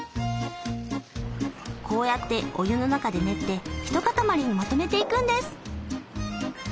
こうやってお湯の中で練って一塊にまとめていくんです。